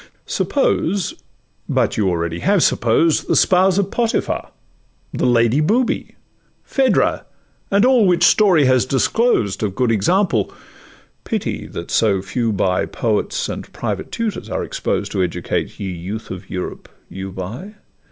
Suppose,—but you already have supposed, The spouse of Potiphar, the Lady Booby, Phaedra, and all which story has disclosed Of good examples; pity that so few by Poets and private tutors are exposed, To educate—ye youth of Europe—you by!